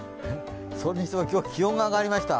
それにしても今日は気温が上がりました。